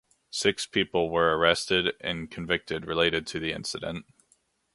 Six people were arrested and convicted related to the incident.